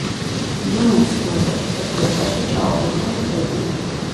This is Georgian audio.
დუნაის ხეობაში და დელტაში ჭაობები და ტბებია.